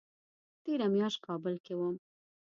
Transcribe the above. تېره میاشت کابل کې وم